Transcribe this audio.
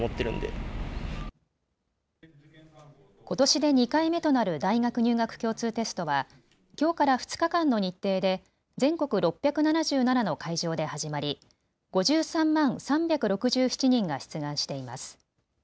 ことしで２回目となる大学入学共通テストはきょうから２日間の日程で全国６７７の会場で始まり５３万３６７人が出願しています。